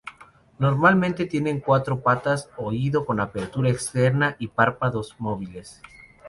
Normalmente tienen cuatro patas, oído con apertura externa y párpados móviles.